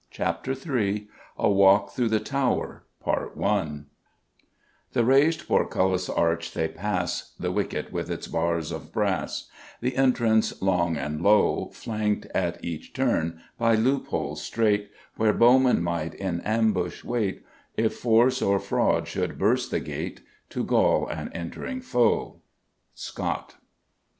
CHAPTER III A WALK THROUGH THE TOWER The raised portcullis' arch they pass, The wicket with its bars of brass, The entrance long and low, Flanked at each turn by loopholes strait Where bowmen might in ambush wait (If force or fraud should burst the gate), To gall an entering foe. SCOTT.